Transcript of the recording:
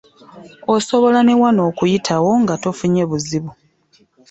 Osobola ne wano okuyitawo nga tofunye buzibu.